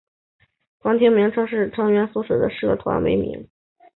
团体名称是以成员们所隶属的学校的社团为名。